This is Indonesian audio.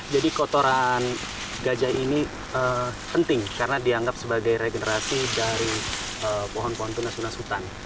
jadi kotoran gajah ini penting karena dianggap sebagai regenerasi dari pohon pohon tunas tunas hutan